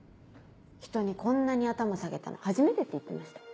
「ひとにこんなに頭下げたの初めて」って言ってました。